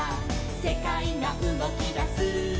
「せかいがうごきだす」「」